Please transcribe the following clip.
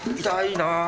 痛いな。